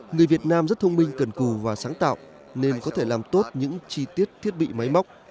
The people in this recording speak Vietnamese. người việt nam rất thông minh cần cù và sáng tạo nên có thể làm tốt những chi tiết thiết bị máy móc